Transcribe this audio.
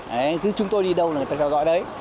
đấy cứ chúng tôi đi đâu là người ta theo dõi đấy